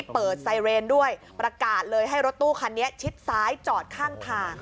ไซเรนด้วยประกาศเลยให้รถตู้คันนี้ชิดซ้ายจอดข้างทาง